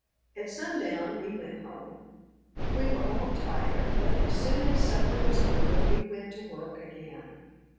At sundown we went home. We were all tired, but as soon as supper was over we went to work again.